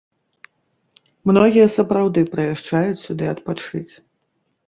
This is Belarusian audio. Многія сапраўды прыязджаюць сюды адпачыць.